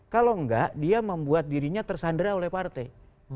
kalau enggak dia membuat dirinya tersandera oleh partai